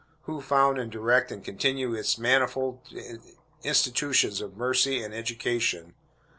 Who found, and direct, and continue its manifold institutions of mercy and education?